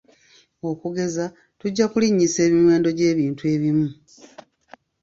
Okugeza tujja kulinnyisa emiwendo gy'ebintu ebimu.